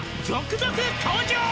「続々登場！」